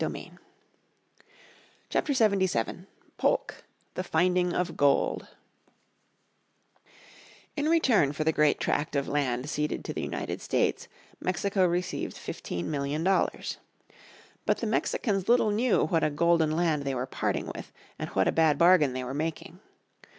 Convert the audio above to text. __________ Chapter 77 Polk The Finding of Gold In return for the great tract of land ceded to the United States Mexico received 15 million dollars. But the Mexicans little knew what a golden land they were parting with, and what a bad bargain they were making.